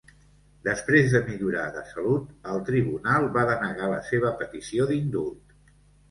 Després de millorar de salut, el tribunal va denegar la seva petició d'indult.